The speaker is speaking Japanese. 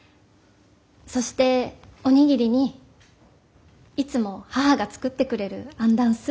そしてお握りにいつも母が作ってくれるアンダンスー